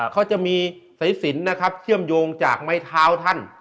เขาจะมีสายสินนะครับเชื่อมโยงจากไม้เท้าท่าน